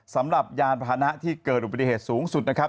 สำหรับยานพาหนะที่เกิดอุบัติเหตุสูงสุดนะครับ